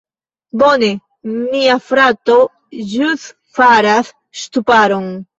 Bone, mia frato ĵus faras ŝtuparon.